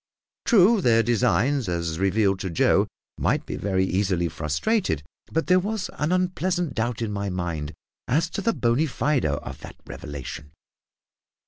True, their designs, as revealed to Joe, might be very easily frustrated; but there was an unpleasant doubt in my mind as to the bona fides of that revelation.